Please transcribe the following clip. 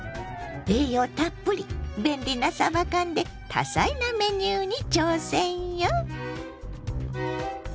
栄養たっぷり便利なさば缶で多彩なメニューに挑戦よ！